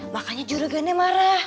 makanya jura ganda marah